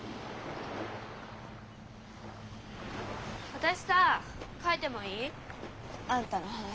私さ書いてもいい？あんたの話。